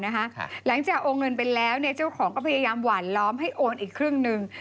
หลังจากโอนเงินไปแล้วเจ้าของก็พยายามหวานล้อมให้โอนอีกครึ่งหนึ่ง